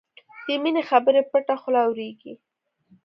د مینې خبرې پټه خوله اورېږي